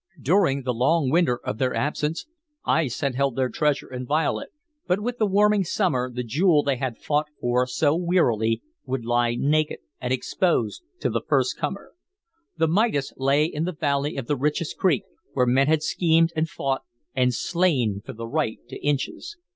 During the long winter of their absence, ice had held their treasure inviolate, but with the warming summer the jewel they had fought for so wearily would lie naked and exposed to the first comer. The Midas lay in the valley of the richest creek, where men had schemed and fought and slain for the right to inches.